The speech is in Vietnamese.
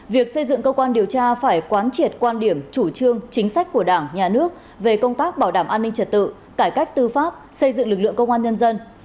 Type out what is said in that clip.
việc xây dựng cơ quan điều tra phải quán triệt quan điểm chủ trương chính sách của đảng nhà nước về công tác bảo đảm an ninh trật tự cải cách tư pháp xây dựng lực lượng công an nhân dân